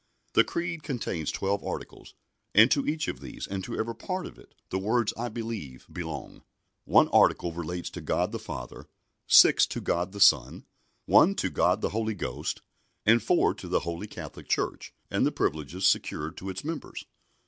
The Creed contains twelve articles, and to each of these, and to every part of it, the words "I believe" belong. One article relates to God the Father, six to God the Son, one to God the Holy Ghost, and four to the Holy Catholic Church and the privileges secured to its members.